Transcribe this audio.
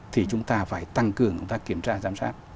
thì chúng ta phải tăng cường kiểm tra giám sát